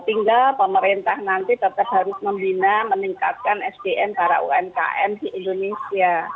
tinggal pemerintah nanti tetap harus membina meningkatkan sdm para umkm di indonesia